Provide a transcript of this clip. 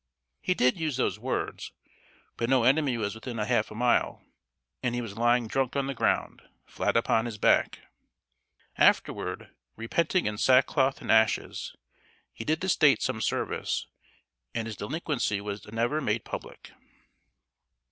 He did use those words, but no enemy was within half a mile, and he was lying drunk on the ground, flat upon his back. Afterward, repenting in sackcloth and ashes, he did the State some service, and his delinquency was never made public.